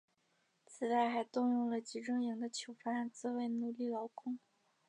此外还动用了集中营的囚犯作为奴隶劳工。